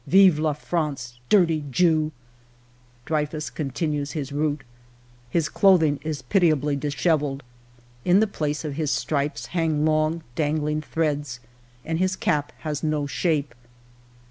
Vive la France ! Dirty Jew !' "Dreyfus continues his route. "His clothing is pitiably dishevelled. In the place of his stripes hang long dangling threads, and his cap has no shape.